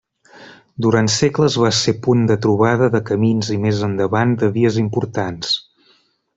Durant segles va ser punt de trobada de camins i, més endavant, de vies importants.